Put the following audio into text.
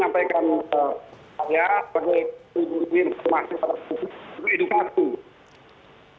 saya menyampaikan kepada pak gede bikin tim agung